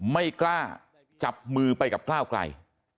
ไม่กล้าจับมือไปกับก้าวไกล